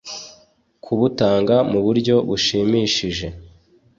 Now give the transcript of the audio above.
kubutanga mu buryo bushimishije